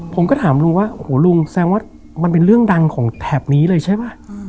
ผมก็ถามลุงว่าโอ้โหลุงแสดงว่ามันเป็นเรื่องดังของแถบนี้เลยใช่ป่ะ